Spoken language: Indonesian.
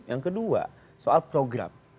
yang kedua soal program